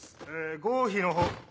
合否の方。